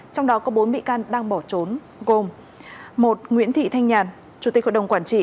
trong đó có bốn bị can đang bỏ trốn gồm một nguyễn thị thanh nhàn chủ tịch hội đồng quản trị